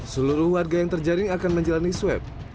seluruh warga yang terjaring akan menjalani swab